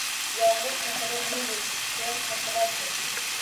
-Yomg’ir haqida nima deysiz? Quyosh haqida-chi?